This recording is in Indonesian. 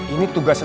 ini tugas lainnya